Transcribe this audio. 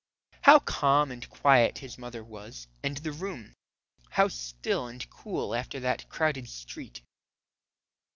How calm and quiet his mother was; and the room, how still and cool after that crowded street!